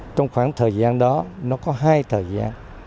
trong khoảng thời gian đó nó có hai thời gian